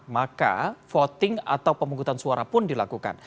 maka voting atau pemungutan suara pun dilakukan